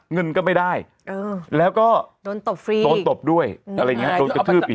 เงินก็ไม่ได้แล้วก็โดนตบฟรีโดนตบด้วยอะไรอย่างเงี้โดนกระทืบอีก